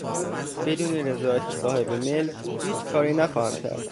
بدون رضایت صاحب ملک هیچ کاری نخواهم کرد.